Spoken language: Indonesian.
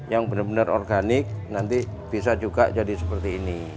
yang benar benar organik nanti bisa juga jadi seperti ini